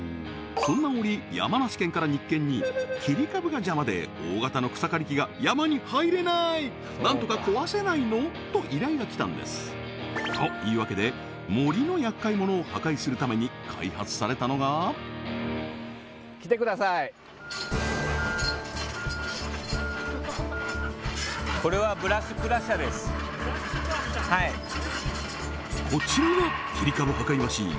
そんな折山梨県から日建に切り株が邪魔で大型の草刈り機が山に入れない何とか壊せないの？と依頼がきたんですというわけで森の厄介者を破壊するために開発されたのがこちらが切り株破壊マシン